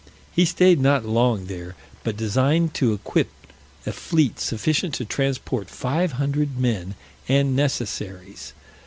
He stayed not long there, but designed to equip a fleet sufficient to transport five hundred men, and necessaries.